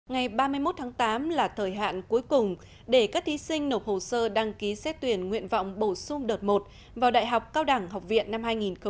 ngày ba mươi một tháng tám là thời hạn cuối cùng để các thí sinh nộp hồ sơ đăng ký xét tuyển nguyện vọng bổ sung đợt một vào đại học cao đẳng học viện năm hai nghìn hai mươi